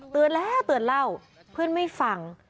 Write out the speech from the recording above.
เตือนแล้วเตือนเล่าเพื่อนไม่ฟัง